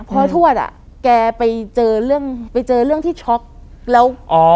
เพราะทวดไปเจอเรื่องที่ช็อกแล้ว